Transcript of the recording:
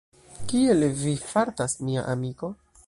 Kiel vi fartas, mia amiko?